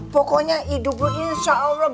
pokoknya hidupmu insya allah